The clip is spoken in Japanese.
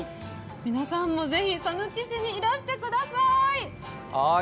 皆さんもぜひさぬき市にいらしてください。